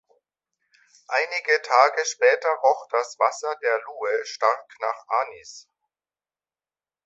Einige Tage später roch das Wasser der Loue stark nach Anis.